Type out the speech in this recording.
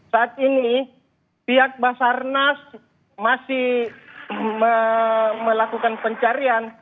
saat ini pihak basarnas masih melakukan pencarian